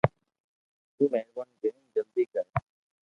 تو مھربوني ڪرين جلدي ڪر